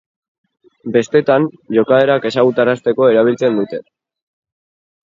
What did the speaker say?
Bestetan, jokaerak ezagutarazteko erabiltzen dute.